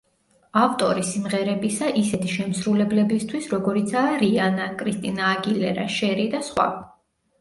ავტორი სიმღერებისა ისეთი შემსრულებლებისთვის, როგორიცაა რიანა, კრისტინა აგილერა, შერი და სხვა.